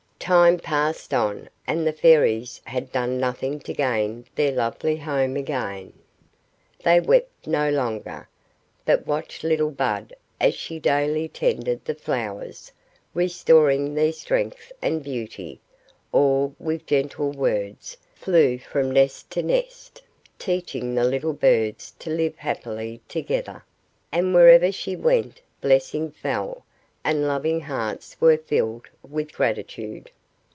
Time passed on, and the Fairies had done nothing to gain their lovely home again. They wept no longer, but watched little Bud, as she daily tended the flowers, restoring their strength and beauty, or with gentle words flew from nest to nest, teaching the little birds to live happily together; and wherever she went blessings fell, and loving hearts were filled with gratitude.